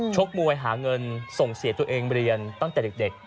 ชกมวยหาเงินส่งเสียตัวเองเรียนตั้งแต่เด็ก